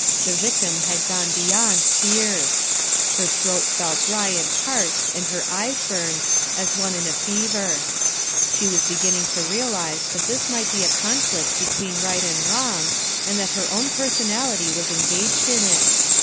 The victim had gone beyond tears. Ilcr throat felt dry and parched and her eyes burned, as one in a fever* She was beginning to realize that this might be a conflict between right and wrong, and that her own personality was en gaged in it.